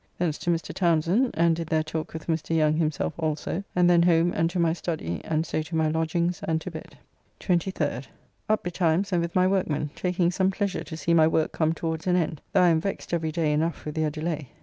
Thence to Mr. Townsend, and did there talk with Mr. Young himself also, and then home and to my study, and so to my lodgings and to bed. 23rd. Up betimes and with my workmen, taking some pleasure to see my work come towards an end, though I am vexed every day enough with their delay.